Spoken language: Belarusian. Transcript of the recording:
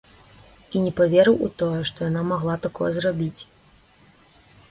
І не паверыў у тое, што яна магла гэта зрабіць.